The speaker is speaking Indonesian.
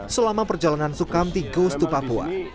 selama perjalanan sukamti goes to papua